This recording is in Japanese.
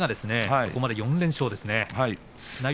ここまで４連勝です。